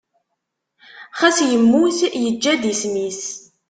Xas yemmut, yeǧǧa-d isem-is.